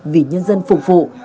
vì nhân dân phục vụ